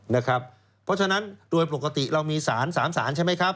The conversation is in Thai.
เพราะฉะนั้นโดยปกติเรามีสาร๓สารใช่ไหมครับ